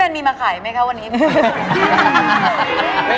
มีมาขายไหมคะวันนี้